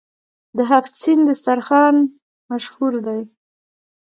د هفت سین دسترخان مشهور دی.